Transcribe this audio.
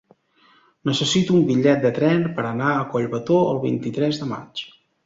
Necessito un bitllet de tren per anar a Collbató el vint-i-tres de maig.